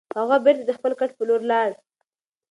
هغه بېرته د خپل کټ په لور لاړ.